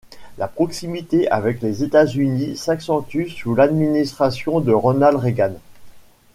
La proximité avec les États-Unis s’accentue sous l'administration de Ronald Reagan.